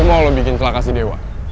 gue mau lu bikin kelakasi dewa